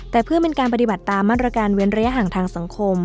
แต่เพื่อเป็นการปฏิบัติตามมาตรการเว้นระยะห่างทางสังคม